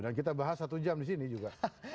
dan kita bahas satu jam di sini juga